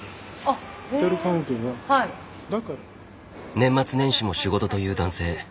年末年始も仕事という男性。